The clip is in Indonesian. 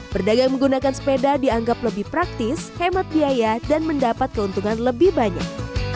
berdagang menggunakan sepeda dianggap lebih praktis hemat biaya dan mendapat keuntungan lebih banyak